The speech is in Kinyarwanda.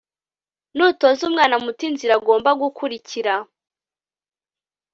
nutoza umwana muto inzira agomba gukurikira